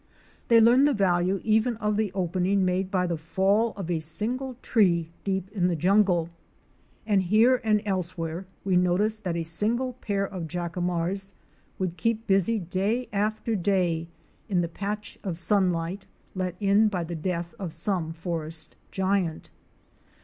They learn the value even of the opening made by the fall of a single tree deep in the jungle, and here and elsewhere we noticed that a single pair of Jaca mars would keep busy day after day in the patch of sun light let in by the death of some forest giant.